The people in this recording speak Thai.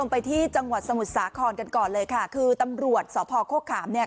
ไปที่จังหวัดสมุทรสาครกันก่อนเลยค่ะคือตำรวจสพโฆขามเนี่ย